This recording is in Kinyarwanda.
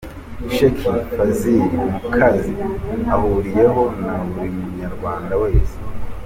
Sheikh Fazil mu kazi ahuriyeho na buri Munyarwanda wese.